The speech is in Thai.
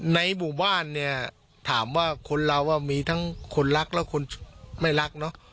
ในหมู่บ้านเนี่ยถามว่าคนเรามีทั้งคนรักและคนไม่รักเนอะ